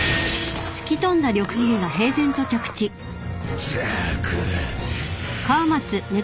ったく。